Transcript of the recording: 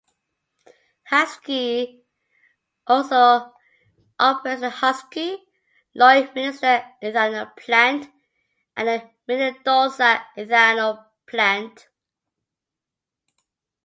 Husky also operates the Husky Lloydminster Ethanol Plant and the Minnedosa Ethanol Plant.